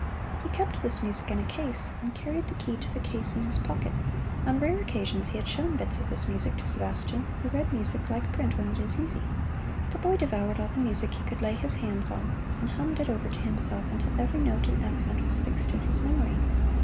He kept this music in a case, and carried the key to the case in his pocket. On rare occasions he had shown bits of this music to Sebastian, who read music like print when it is easy. The boy devoured all the music he could lay his hands on, and hummed it over to himself until every note and accent was fixed in his memory.